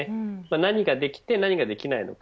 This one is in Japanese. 何ができて、何ができないのか。